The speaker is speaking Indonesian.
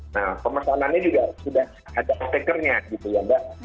nah pemesanannya juga sudah ada takernya gitu ya mbak